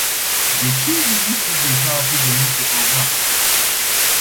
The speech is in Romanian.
De ce există deja atât de multe programe?